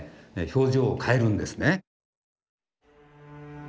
表情を変えるんですね。